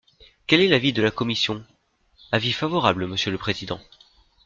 Quel est l’avis de la commission ? Avis favorable, monsieur le président.